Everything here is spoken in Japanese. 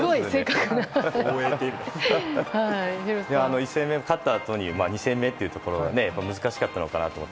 １戦目勝ったあとに２戦目っていうのは難しかったのかなと思って。